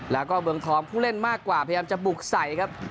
แล้วก็เมืองทองผู้เล่นมากกว่าพยายามจะบุกใส่ครับ